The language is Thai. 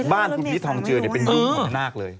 บ้านคุณพีชทองเจือเนี่ยเป็นยุงของแม่นาคเลย